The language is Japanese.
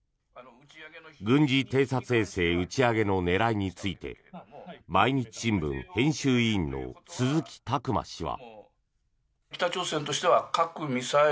軍事偵察衛星打ち上げの狙いについて毎日新聞編集委員の鈴木琢磨氏は。